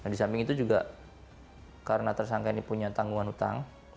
di samping itu juga karena tersangka ini punya tanggungan utang